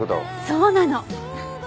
そうなの。